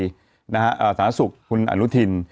สถานศักดิ์ศูกร์คุณอนุทิน